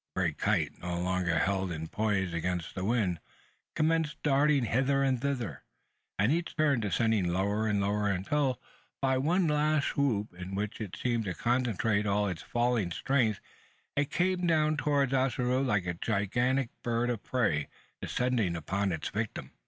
The great kite, no longer held in poise against the wind, commenced darting hither and thither; at each turn descending lower and lower until by one last swoop, in which it seemed to concentrate all its failing strength, it came down towards Ossaroo like a gigantic bird of prey descending upon its victim!